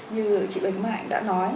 như chị bạch mạnh đã nói